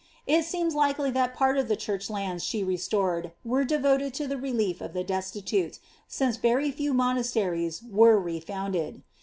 It seems likely that part of the church lands she restored, were devoted to the reher of the destitute, since very few monasteries were re fouiided.